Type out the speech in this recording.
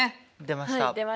出ました。